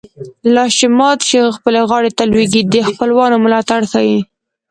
لاس چې مات شي خپلې غاړې ته لوېږي د خپلوانو ملاتړ ښيي